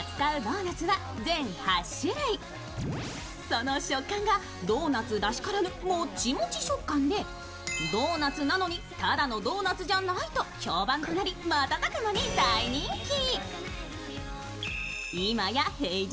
その食感がドーナツらしからぬモチモチ食感でドーナツなのにただのドーナツじゃないと評判になり瞬く間に大人気。